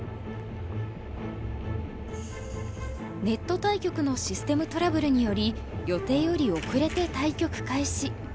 ネット対局のシステムトラブルにより予定より遅れて対局開始。